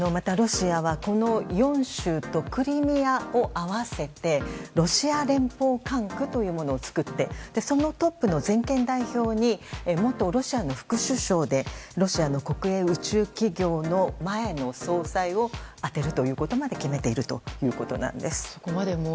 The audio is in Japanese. また、ロシアはこの４州とクリミアを合わせてロシア連邦管区というものを作って、そのトップの全権代表に元ロシアの副首相でロシアの国営宇宙企業の前の総裁を充てるということまで決めているということなんです。